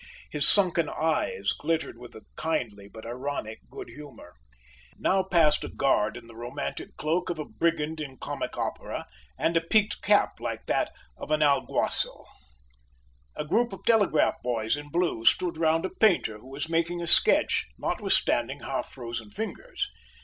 His sunken eyes glittered with a kindly but ironic good humour. Now passed a guard in the romantic cloak of a brigand in comic opera and a peaked cap like that of an alguacil. A group of telegraph boys in blue stood round a painter, who was making a sketch—notwithstanding half frozen fingers.